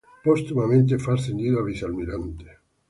Póstumamente fue ascendido a vicealmirante.